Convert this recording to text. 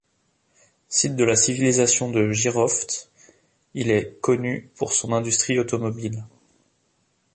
Site de la civilisation de Jiroft, il est connu pour son industrie automobile.